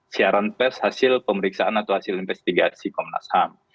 siaran pers hasil pemeriksaan atau hasil investigasi komnas ham